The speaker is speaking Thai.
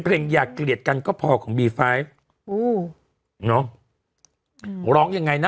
เพลงอยากเกลียดกันก็พอของบีฟ้ายอู้เนอะหลองยังไงน่ะ